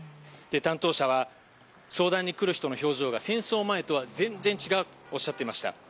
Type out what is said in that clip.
担当者は相談に来る人の表情が戦争前とは全然違うとおっしゃっていました。